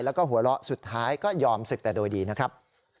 แล้วก็หัวเราะสุดท้ายก็ยอมศึกแต่โดยดีนะครับ